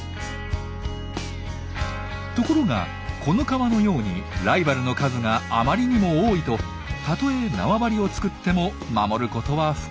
ところがこの川のようにライバルの数があまりにも多いとたとえなわばりを作っても守ることは不可能。